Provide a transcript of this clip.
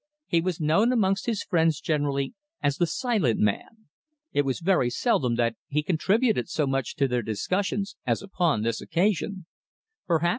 He was known amongst his friends generally as the silent man. It was very seldom that he contributed so much to their discussions as upon this occasion.